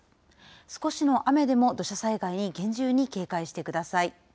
少しの雨でも、土砂災害に厳重に警戒してください。